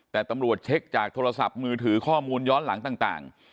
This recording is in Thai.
แต่ตำรวจเช็คจากโทรศัพท์มือถือข้อมูลย้อนหลังต่าง